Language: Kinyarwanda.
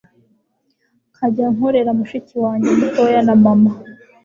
nkajya nkorera mushiki wanjye mutoya na mama